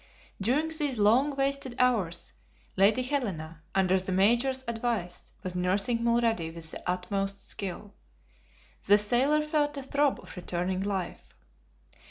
During these long wasted hours, Lady Helena, under the Major's advice, was nursing Mulrady with the utmost skill. The sailor felt a throb of returning life.